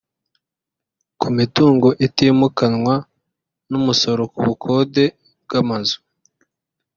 ku mitungo itimukanwa n’umusoro ku bukode bw’amazu